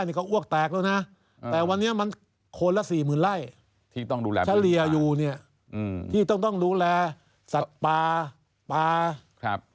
แหละวันแล้วมันโคและ๔๐๐๐๐ไร้ที่ต้องดูแลแล้วเรียบอยู่เนี่ยที่ต้องดูแลสัตว์ป่าป่าครับ